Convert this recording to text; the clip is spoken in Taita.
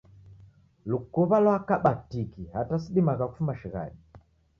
Lukuw'a lwakaba tiki hata sidimagha kufuma shighadi